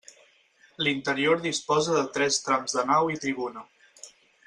L'interior disposa de tres trams de nau i tribuna.